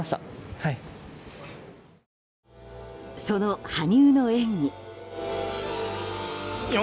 その羽生の演技。